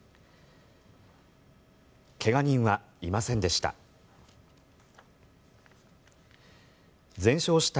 怪我人はいませんでした。